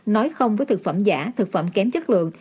nói không với thực phẩm giả thực phẩm kém chất lượng